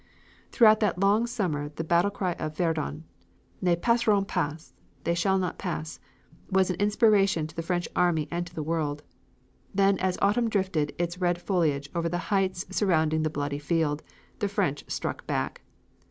Throughout that long summer the battle cry of Verdun, "Ne passeront pas!" ("They shall not pass!"), was an inspiration to the French army and to the world. Then as autumn drifted its red foliage over the heights surrounding the bloody field, the French struck back.